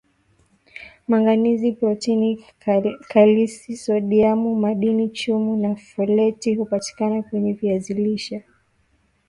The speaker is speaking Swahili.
manganizi protini kalisi sodiamu madini chuma na foleti hupatikana kwenye viazi lishe